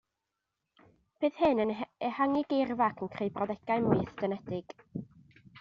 Bydd hyn yn ehangu geirfa ac yn creu brawddegau mwy estynedig